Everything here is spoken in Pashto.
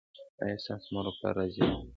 ایا ستاسو مور او پلار راضي نه دي؟